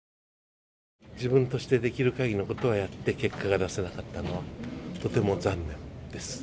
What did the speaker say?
自分としてできる限りのことをやって結果を出せなかったのはとても残念です。